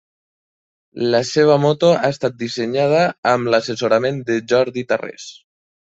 La seva moto ha estat dissenyada amb l'assessorament de Jordi Tarrés.